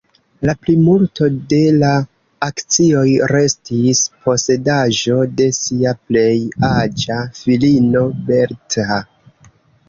La plimulto de la akcioj restis posedaĵo de sia plej aĝa filino Bertha.